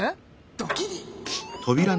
ドキリ。